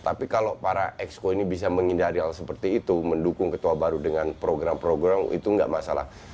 tapi kalau para exco ini bisa menghindari hal seperti itu mendukung ketua baru dengan program program itu nggak masalah